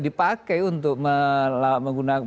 dipakai untuk menggunakan